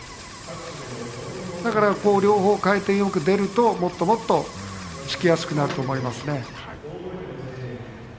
だから両方、回転よく出るともっともっと突きやすくなると思いますね。